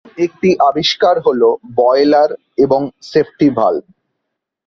অন্য একটা আবিষ্কার হল "বয়লার" এবং "সেফটি ভালভ"।